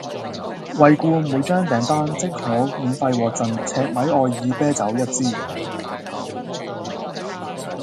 惠顧每張訂單即可免費獲贈赤米愛爾啤酒一支